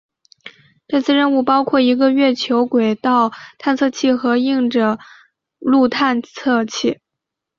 这次任务包括一个月球轨道探测器和硬着陆探测器。